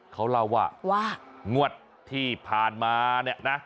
เขาเล่าว่าว่างวดที่ผ่านมาเนี่ยนะ